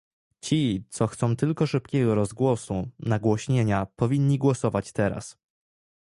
Ci, co chcą tylko szybkiego rozgłosu, nagłośnienia, powinni głosować teraz